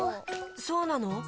そうなの？